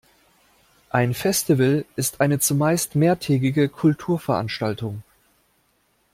Ein Festival ist eine zumeist mehrtägige Kulturveranstaltung,